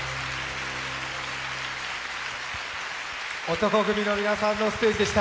男闘呼組の皆さんのステージでした。